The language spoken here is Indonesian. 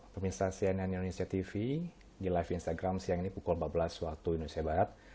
pemirsa cnn indonesia tv di live instagram siang ini pukul empat belas waktu indonesia barat